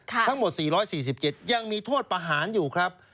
๔๔๗คนยังมีโทษประหารอยู่ครับ